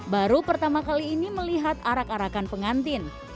baru pertama kali ini melihat arak arakan pengantin